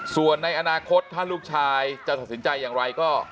ส่วนในอนาคตถ้าลูกชายจะตัดสินใจอย่างไรก็